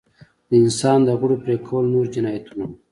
د انسان د غړو پرې کول نور جنایتونه وو.